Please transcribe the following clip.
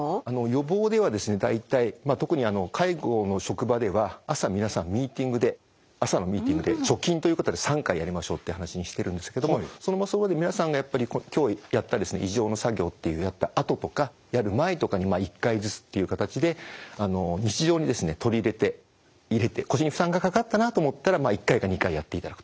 予防ではですね大体特に介護の職場では朝皆さんミーティングで朝のミーティングで貯金ということで３回やりましょうって話にしてるんですけどもその場その場で皆さんがやっぱり今日やった移乗の作業っていうやったあととかやる前とかに１回ずつっていう形で日常に取り入れて腰に負担がかかったなと思ったら１回か２回やっていただくと。